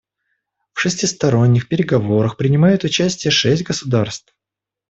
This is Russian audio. В шестисторонних переговорах принимают участие шесть государств.